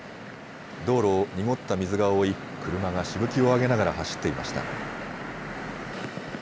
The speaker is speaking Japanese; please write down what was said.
道路を濁った水が覆い、車がしぶきを上げながら走っていました。